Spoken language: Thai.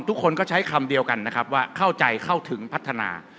ทุกคนก็ใช้คำเดียวกันนะครับว่าเข้าใจเข้าถึงพัฒนา